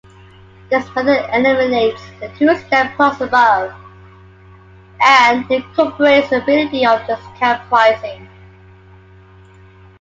This method eliminates the two-step process above and incorporates the ability of discount pricing.